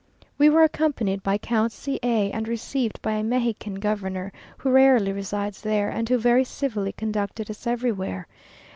We were accompanied by Count C a, and received by a Mexican governor, who rarely resides there, and who very civilly conducted us everywhere.